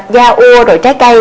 da ua rồi trái cây